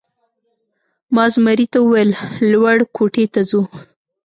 ما زمري ته وویل: لوړ کوټې ته ځو؟